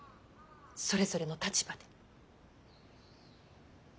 それぞれの立場で。